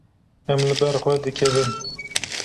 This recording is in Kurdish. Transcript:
Em li ber xwe dikevin.